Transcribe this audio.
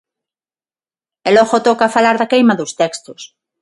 E logo toca falar da queima dos textos.